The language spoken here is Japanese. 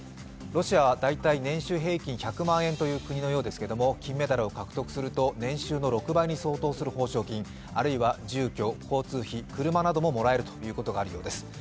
ロシアは大体、年収平均１００万円という国ですけど金メダルを獲得すると年収の６倍に相当する報奨金、あるいは住居、交通費、車などももらえるということもあるようです。